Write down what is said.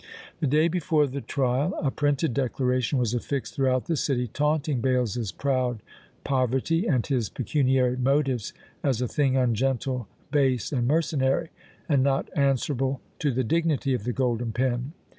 The day before the trial a printed declaration was affixed throughout the city, taunting Bales's "proud poverty," and his pecuniary motives, as "a thing ungentle, base, and mercenary, and not answerable to the dignity of the golden pen!"